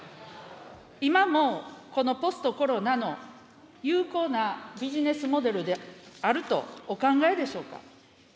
今もこのポストコロナの有効なビジネスモデルであるとお考えでしょうか。